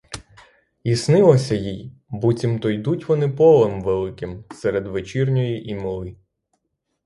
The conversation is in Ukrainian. І снилося їй, буцімто йдуть вони полем великим серед вечірньої імли.